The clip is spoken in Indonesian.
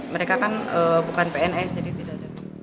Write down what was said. mereka kan bukan pns jadi tidak jatuh